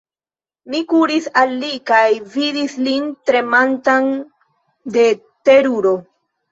Mi kuris al li kaj vidis lin tremantan de teruro.